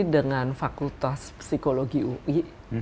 dengan fakultas psikologi ui